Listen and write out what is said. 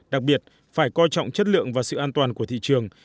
đặc biệt phải coi trọng chất lượng và sự an toàn của thị trường